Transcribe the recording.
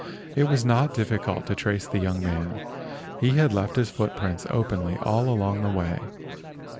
It was not difficult to trace the young man. He had left his footprints openly all along the way.